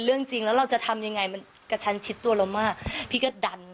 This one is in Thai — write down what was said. เรื่องจริงแล้วเราจะทำยังไงมันกระชันชิดตัวเรามากพี่ก็ดัน